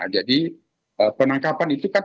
penangkapan itu kan